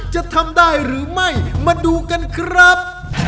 จะทำได้หรือไม่มาดูกันครับ